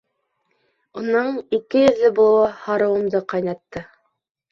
Уның ике йөҙлө булыуы һарыуымды ҡайнатты.